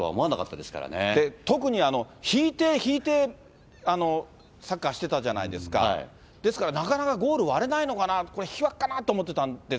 で、特に引いて、引いて、サッカーしてたじゃないですか、ですから、なかなかゴール割れないのかな、これ、そうですね。